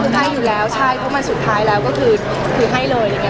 ให้อยู่แล้วใช่เพราะมันสุดท้ายแล้วก็คือให้เลย